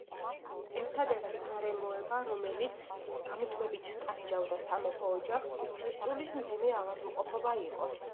ერთადერთი გარემოება, რომელიც გამუდმებით ტანჯავდა სამეფო ოჯახს, უფლისწულის მძიმე ავადმყოფობა იყო.